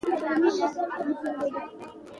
د ولس غوښتنې د مشروعیت ساتنې لپاره مهمې دي